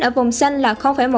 ở vùng xanh là một